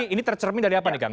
ini tercermin dari apa nih kang